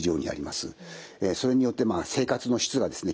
それによって生活の質がですね